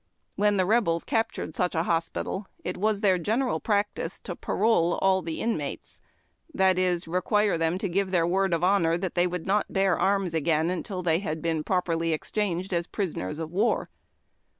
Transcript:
When the Rebels captured such a hospital, it was their general practice to parole all the inmates — that is, require them to give their word of honor that they would not bear arms again until they had been properly exchanged A MEDICINE WAGON. as prisoners of war.